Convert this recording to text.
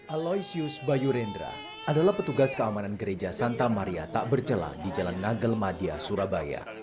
aloysius bayu rendra adalah petugas keamanan gereja santa maria tak bercela di jalan ngagel madia surabaya